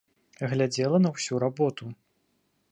Глядзела на ўсю работу.